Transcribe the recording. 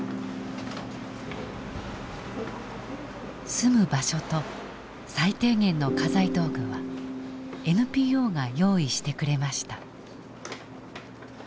住む場所と最低限の家財道具はＮＰＯが用意してくれました。